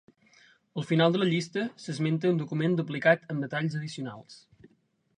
Al final de la llista s'esmenta un document duplicat amb detalls addicionals.